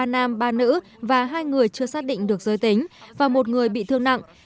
ba nam ba nữ và hai người chưa xác định được giới tính và một người bị thương nặng